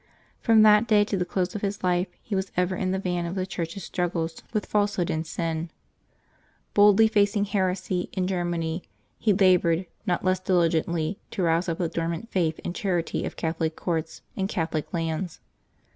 From that day to the close of his life he was ever in the van of the Church's strug 276 LIVES OF THE SAINTS [August 9 gles with falsehood and sin. Boldly facing heresy in Germany, he labored not less diligently to rouse up the dormant faith and charity of Catholic courts and Catholic lands.